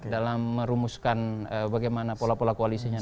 dalam merumuskan bagaimana pola pola koalisinya